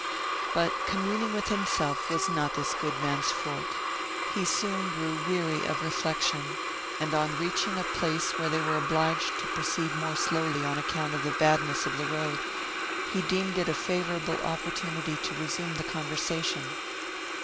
But communing with himself was not this good man's forte; he soon grew weary of reflection; and on reaching a place where they were obliged to proceed more slowly on account of the badness of the road, he deemed it a favorable opportunity to resume the conversation.